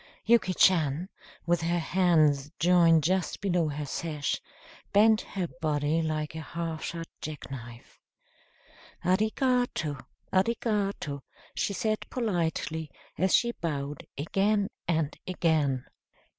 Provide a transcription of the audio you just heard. Yuki Chan, with her hands joined just below her sash, bent her body like a half shut jack knife. "Arigato arigato," she said politely, as she bowed again and again.